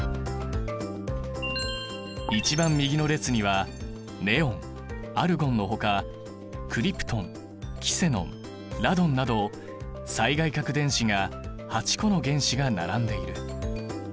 一番右の列にはネオンアルゴンのほかクリプトンキセノンラドンなど最外殻電子が８個の原子が並んでいる。